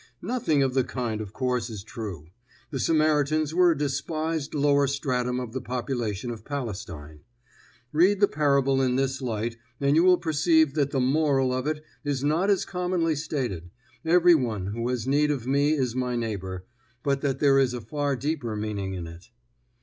Nothing of the kind, of course, is true. The Samaritans were a despised lower stratum of the population of Palestine. Read the parable in this light, and you will perceive that the moral of it is not as commonly stated every one who has need of me is my neighbor; but that there is a far deeper meaning in it.